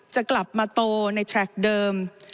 จะกลับมาโตในแทรคเดิม